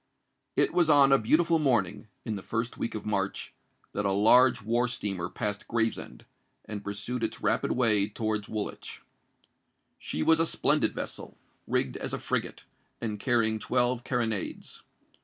It was on a beautiful morning, in the first week of March, that a large war steamer passed Gravesend, and pursued its rapid way towards Woolwich. She was a splendid vessel, rigged as a frigate, and carrying twelve carronades.